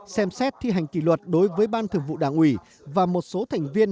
xem xét thi hành kỷ luật đối với ban thượng vụ đảng ủy và một số thành viên